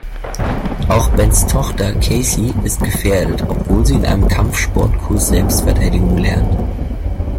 Auch Bens Tochter Cassie ist gefährdet, obwohl sie in einem Kampfsport-Kurs Selbstverteidigung lernt.